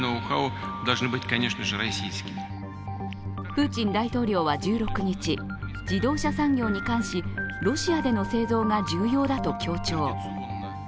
プーチン大統領は１６日、自動車産業に関し、ロシアでの製造が重要だと強調。